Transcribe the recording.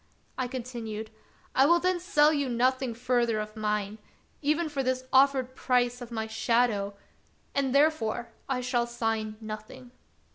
I continued :" I will then sell you nothing further of mine, even for this offered price of my shadow; and, therefore, I shall sign nothing.